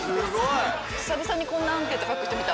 久々にこんなアンケート書く人見た。